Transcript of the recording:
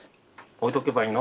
置いとけばいいの？